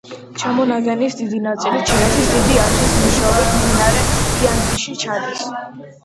ჩამონადენის დიდი ნაწილი ჩინეთის დიდი არხის მეშვეობით მდინარე იანძიში ჩადის.